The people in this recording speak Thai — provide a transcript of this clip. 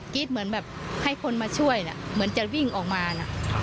กรี๊ดเหมือนแบบให้คนมาช่วยเนี่ยเหมือนจะวิ่งออกมานะ